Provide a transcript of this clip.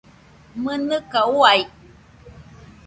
¡Mɨnɨka uai!